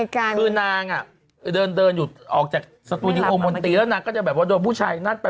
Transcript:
คือนางอ่ะเดินอยู่ออกจากสตูดิโอมนติแล้วนางก็จะแบบว่า